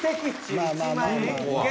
まあまあまあまあ。